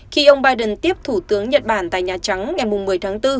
khi ông biden tiếp thủ tướng nhật bản tại nhà trắng ngày một mươi tháng bốn